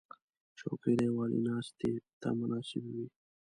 چوکۍ د یووالي ناستې ته مناسب وي.